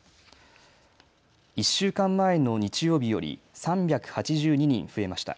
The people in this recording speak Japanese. １週間前の日曜日より３８２人増えました。